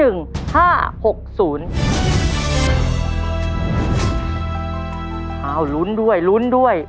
เอ้าลุ้นด้วย